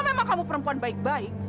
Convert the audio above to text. memang kamu perempuan baik baik